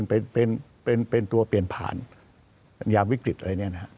เป็นเป็นเป็นเป็นตัวเปลี่ยนผ่านกับยานวิกฤตอะไรนะฮะ